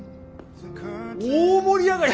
大盛り上がり！？